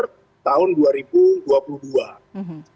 kira kira di bulan oktober november desember